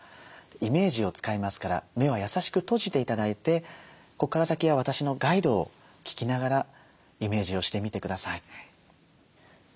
イメージを使いますから目は優しく閉じて頂いてここから先は私のガイドを聴きながらイメージをしてみてください。